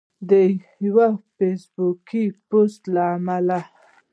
د یو فیسبوکي پوسټ له امله